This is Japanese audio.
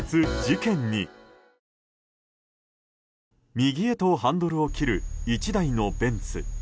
右へとハンドルを切る１台のベンツ。